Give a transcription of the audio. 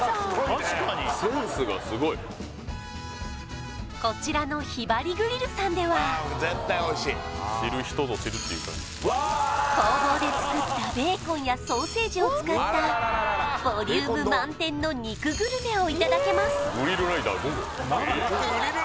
確かにセンスがすごいこちらのヒバリグリルさんでは工房で作ったベーコンやソーセージを使ったボリューム満点の肉グルメをいただけます